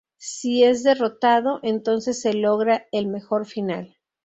Si es derrotado, entonces se logra el mejor final.